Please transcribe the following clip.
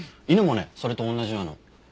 犬もねそれと同じなの。